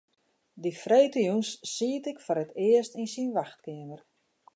Dy freedtejûns siet ik foar it earst yn syn wachtkeamer.